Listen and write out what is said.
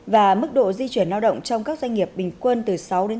và mức độ di chuyển lao động trong các doanh nghiệp bình quân từ sáu năm